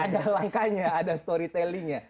ada langkahnya ada storytellingnya